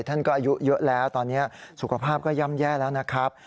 ท่านก็อายุเยอะแล้วตอนนี้สุขภาพก็ย่ำแย่แล้วนะครับ